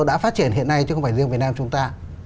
đã phát triển hiện nay chứ không phải riêng việt nam chúng ta